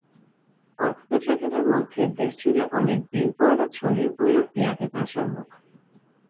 অল্প কিছুদিনের মধ্যে দেশজুড়ে অনেক বিলবোর্ডে ছড়িয়ে পড়ল পিয়া বিপাশার মুখ।